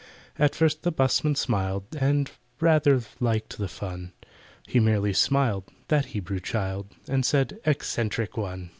At first the 'busman smiled, And rather liked the fun— He merely smiled, that Hebrew child, And said, "Eccentric one!"